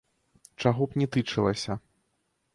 Чаго б ні тычылася.